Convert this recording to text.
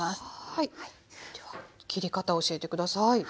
はいでは切り方教えて下さい。